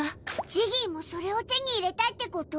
ジギーもそれを手に入れたってこと？